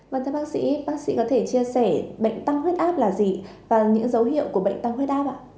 vâng thưa bác sĩ bác sĩ có thể chia sẻ bệnh tăng huyết áp là gì và những dấu hiệu của bệnh tăng huyết áp ạ